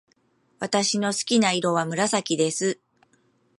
私の好きな色は紫です。